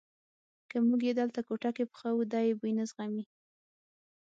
که موږ یې دلته کوټه کې پخو دی یې بوی نه زغمي.